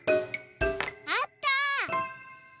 あった！